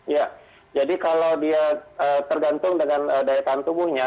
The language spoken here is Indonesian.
ya jadi kalau dia tergantung dengan daya tahan tubuhnya